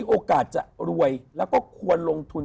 โอกาสจะรวยแล้วก็ควรลงทุน